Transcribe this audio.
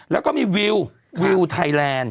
แล้วก็มีวิววิวไทยแลนด์